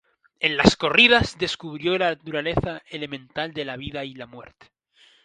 En las corridas descubrió la naturaleza elemental de la vida y la muerte.